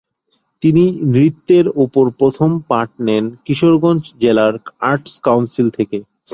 তিনি নৃত্যের উপর প্রথম পাঠ নেন কিশোরগঞ্জ জেলার আর্টস কাউন্সিল থেকে।